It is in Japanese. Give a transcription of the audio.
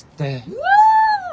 うわ！